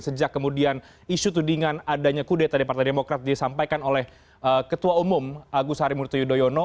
sejak kemudian isu tudingan adanya kudeta departai demokrat disampaikan oleh ketua umum agus harimur tuyudoyono